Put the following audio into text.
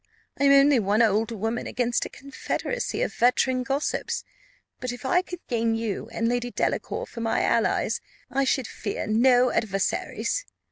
I am only one old woman against a confederacy of veteran gossips; but if I could gain you and Lady Delacour for my allies, I should fear no adversaries.